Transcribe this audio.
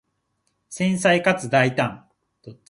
繊細かつ大胆